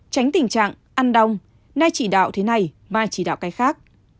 tránh tình trạng ăn đông nay chỉ đạo thế này mai chỉ đạo cái khác